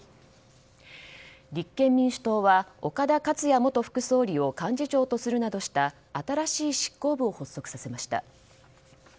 立憲民主党は岡田克也元副総理を幹事長とするなどした新しい執行部を発足させました。